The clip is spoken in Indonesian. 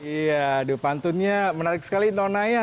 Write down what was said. iya aduh pantunnya menarik sekali nonaya